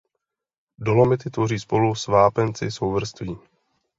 Dolomity tvoří spolu s vápenci souvrství.